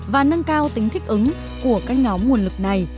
và nâng cao tính thích ứng của các nhóm nguồn lực này